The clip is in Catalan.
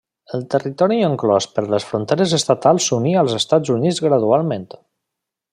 El territori enclòs per les fronteres estatals s'uní als Estats Units gradualment.